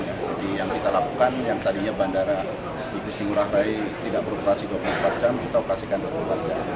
jadi yang kita lakukan yang tadinya bandara igusti ngurah rai tidak beroperasi dua puluh empat jam kita operasikan dua puluh empat jam